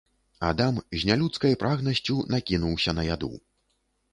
Адам з нялюдскай прагнасцю накінуўся на яду.